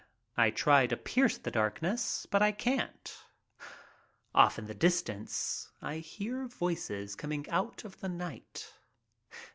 I try to pierce the darkness, but can't. Off in the distance I hear voices coming out of the night.